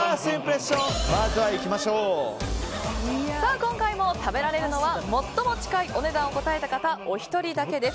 今回も食べられるのは最も近いお値段を答えた方お一人だけです。